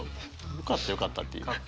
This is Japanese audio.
よかったよかったっていう。